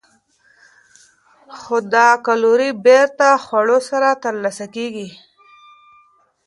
خو دا کالوري بېرته خوړو سره ترلاسه کېږي.